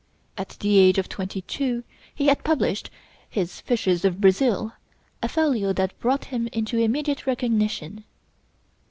At the age of twenty two, he had published his 'Fishes of Brazil,' a folio that brought him into immediate recognition.